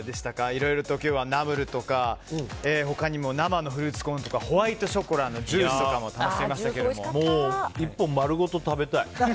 いろいろと今日は、ナムルとか他にも生のフルーツコーンとかホワイトショコラのジュースとかももう１本丸ごと食べたい。